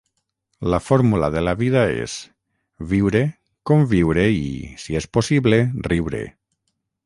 La fórmula de la vida és: viure, conviure i, si és possible, riure.